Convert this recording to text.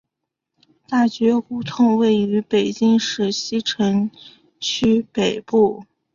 大觉胡同位于北京市西城区北部。